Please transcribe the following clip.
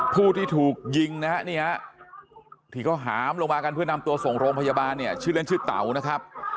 ผู้ที่ถูกยิงนะฮะนี่ฮะที่เขาหามลงมากันเพื่อนำตัวส่งโรงพยาบาลเนี่ยชื่อเล่นชื่อเต๋านะครับ